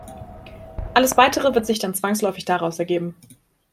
Alles Weitere wird sich dann zwangsläufig daraus ergeben.